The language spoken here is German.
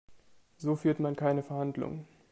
So führt man keine Verhandlungen.